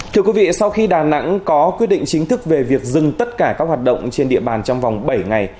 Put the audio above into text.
thưa quý vị sau khi đà nẵng có quyết định chính thức về việc dừng tất cả các hoạt động trên địa bàn trong vòng bảy ngày